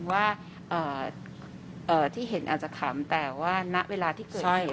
ว่าเอ่อเอ่อที่เห็นอาจจะขำแต่ว่าณเวลาที่เกิดใช่